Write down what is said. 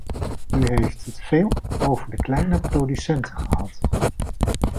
U heeft het veel over de kleine producenten gehad.